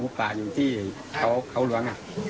หมูป่าอยู่ที่เขาหลวงไง